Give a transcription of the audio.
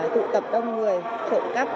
tụ tập đông người khẩu cấp